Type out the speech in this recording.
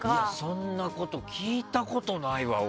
そんなこと聞いたことないわ、俺。